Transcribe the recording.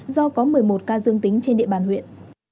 do có một mươi một ca dương tính trên địa bàn huyện